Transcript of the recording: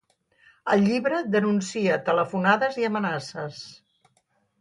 al llibre denuncia telefonades i amenaces